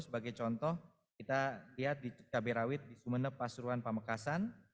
sebagai contoh kita lihat di cabai rawit di sumeneb pasuruan pamekasan